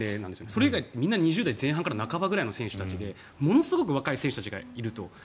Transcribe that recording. それ以外みんな２０代前半から半ばぐらいの選手たちでものすごく若い選手たちがいると。